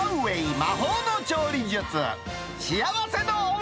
魔法の調理術！